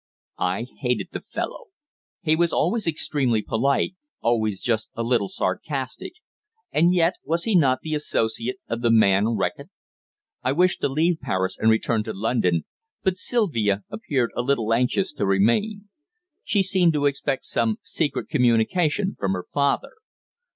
I hated the fellow. He was always extremely polite, always just a little sarcastic, and yet, was he not the associate of the man Reckitt? I wished to leave Paris and return to London, but Sylvia appeared a little anxious to remain. She seemed to expect some secret communication from her father.